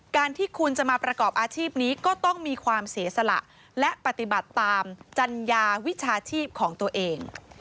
การที่คุณจะมาประกอบอาชีพนี้ก็ต้องมีความเสียสละและปฏิบัติตามจัญญาวิชาชีพของตัวเอง